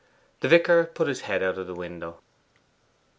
The vicar put his head out of the window.